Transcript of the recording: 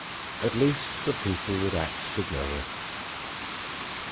At least the people would act together.